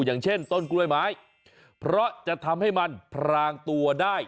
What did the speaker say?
อย่างเช่นต้นกล้วยไม้เพราะจะทำให้มันพรางตัวได้